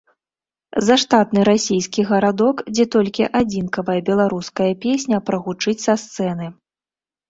Заштатны расійскі гарадок, дзе толькі адзінкавая беларуская песня прагучыць са сцэны.